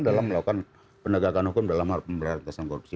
dalam melakukan penegakan hukum dalam hal pemberantasan korupsi